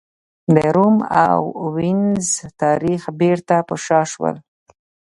د روم او وینز تاریخ بېرته پر شا شول.